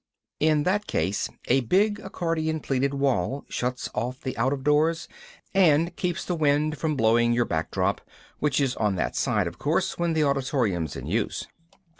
In that case, a big accordion pleated wall shuts off the out of doors and keeps the wind from blowing your backdrop, which is on that side, of course, when the auditorium's in use.